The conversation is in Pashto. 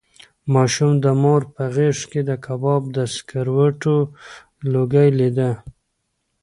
ماشوم د مور په غېږ کې د کباب د سګرټو لوګی لیده.